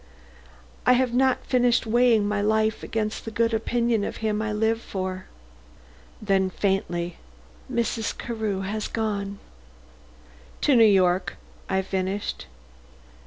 I have not finished weighing my life against the good opinion of him I live for." Then faintly "Mrs. Carew has gone." "To New York," I finished.